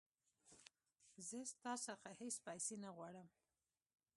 زه ستا څخه هیڅ پیسې نه غواړم.